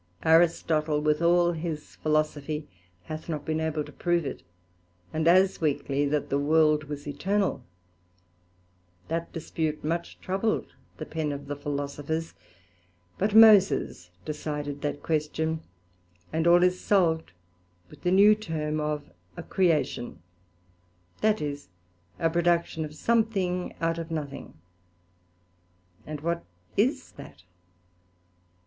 Aristotle with all his Philosophy hath not been able to prove it, and as weakly that the world was eternal; that dispute much troubled the Pen of the Philosophers, but Moses decided that question, and all is salved with the new term of a Creation, that is, a production of something out of nothing; and what is that?